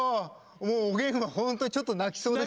もうおげんは本当にちょっと泣きそうです。